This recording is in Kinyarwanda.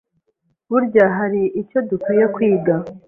Burya hari icyo dukwiye kwiga